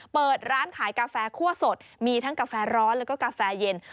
เปิดร้านขายกาแฟคั่วสดมีทั้งกาแฟร้อนแล้วก็กาแฟเย็น